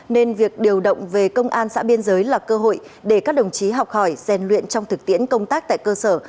nên việc điều động về công an xã biên giới là cơ hội để các đồng chí học hỏi gian luyện trong thực tiễn công tác tại cơ sở